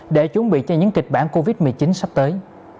để chuẩn bị cho những kịch bản covid một mươi chín sắp tới